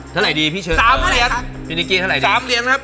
เท่าไหร่ดีพี่เชิญเอ่อพี่นิกกี้เท่าไหร่ดี๓เหรียญครับ